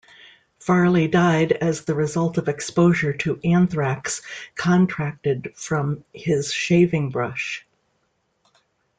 Farley died as the result of exposure to anthrax contracted from his shaving brush.